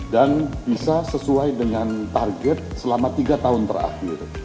dan bisa sesuai dengan target selama tiga tahun terakhir